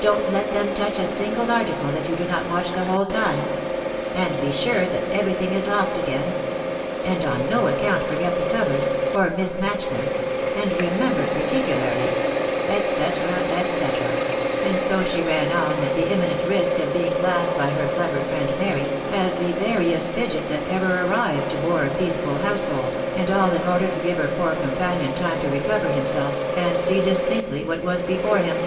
Don't let them touch a single article that you do not watch the whole time ; and be sure that every thing is locked again — and on no account forget the covers, or mismatch them — and remember particularly —" et cater a, et ccstera, and so she ran on at the imminent risk of being classed by her clever friend Mary as the veriest fidget that ever arrived to bore a peaceable household , and all in order to give her poor companion time to recover himself, and see distinctly what was before him.